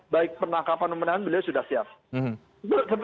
baik penangkapan atau penahanan bila sudah siap